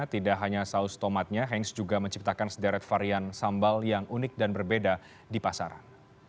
tidak hanya saus tomatnya hans juga menciptakan sederet varian sambal yang unik dan berbeda di pasaran